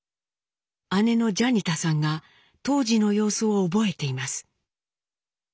姉のジャニタさんが当時の様子を覚えています。